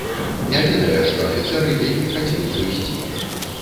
Не ведае, што афіцэры вельмі хацелі прыйсці.